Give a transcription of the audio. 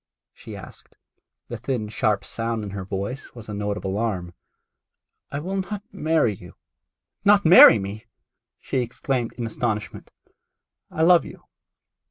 she asked. The thin sharp sound in her voice was a note of alarm. 'I will not marry you,' moaned the curate. 'Not marry me!' she exclaimed in astonishment. 'I love you.